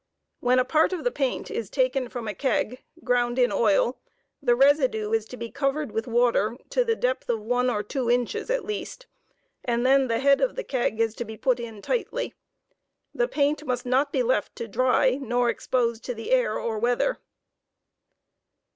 When a part of the paint is taken from a keg (ground in oil) the residue is to be covered with water to the depth of one or two indies, at least, and then the head of the keg is to be put in tightly. The paint must not be left to dry, nor exposed to the air or weather.